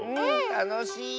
たのしい！